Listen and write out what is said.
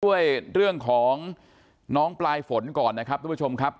ด้วยเรื่องของน้องปลายฝนก่อนนะครับทุกผู้ชมครับ